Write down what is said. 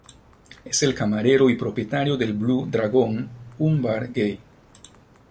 Es el camarero y propietario de Blue Dragon, un bar gay.